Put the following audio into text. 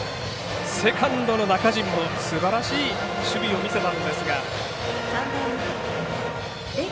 セカンドの中陳もすばらしい守備を見せたんですが。